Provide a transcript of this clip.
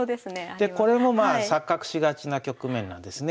でこれもまあ錯覚しがちな局面なんですね。